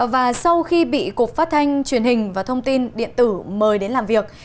và sau khi bị cục phát thanh truyền hình và thông tin điện tử mời đến làm việc